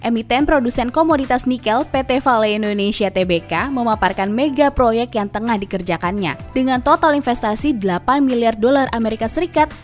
mitem produsen komoditas nikel pt vale indonesia tbk memaparkan mega proyek yang tengah dikerjakannya dengan total investasi delapan miliar dolar as atau setara seratus laki laki